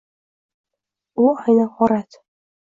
U ayni g’orat.